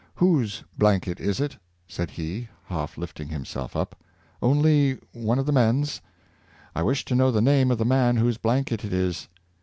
^' Whose blanket is it.^" said he, half lifting himself up. ^' Only one of the men's." " I wish to know the name of the man whose blanket it is."